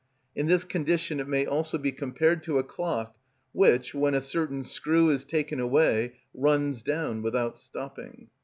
In this condition it may also be compared to a clock which, when a certain screw is taken away, runs down without stopping.